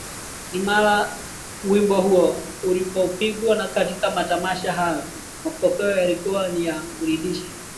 Na mara wimbo huo ulipopigwa katika matamasha hayo mapokeo yalikuwa ni ya kuridhisha